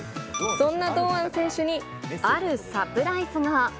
そんな堂安選手に、あるサプライズが。